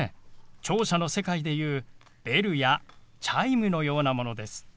聴者の世界でいうベルやチャイムのようなものです。